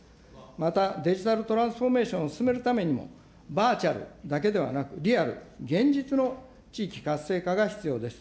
また、デジタルトランスフォーメーションを進めるために、バーチャルだけではなく、リアル、現実の地域活性化が必要です。